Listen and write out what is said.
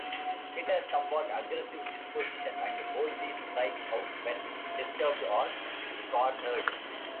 It has somewhat aggressive disposition and boldly strikes out when disturbed or cornered.